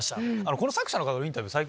この作者の方のインタビュー